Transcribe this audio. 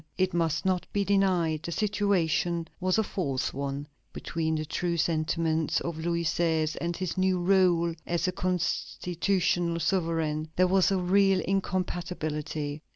It must not be denied, the situation was a false one. Between the true sentiments of Louis XVI. and his new rôle as a constitutional sovereign, there was a real incompatibility.